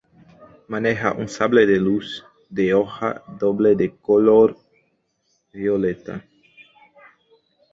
Maneja un sable de luz de hoja doble de color violeta.